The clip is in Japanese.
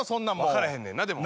分からへんねんなでも。